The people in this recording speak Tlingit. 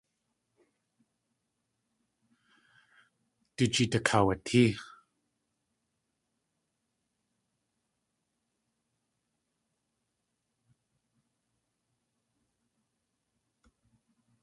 Du jeet akaawatée.